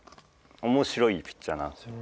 面白いピッチャーなんですよ。